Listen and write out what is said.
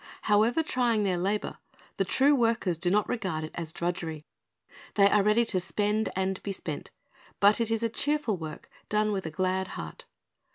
However trying their labor, the true workers do not Th e Rezv ar d of Grace 403 regard it as drudgery. They are ready to spend and to be spent; but it is a cheerful work, done with a glad heart.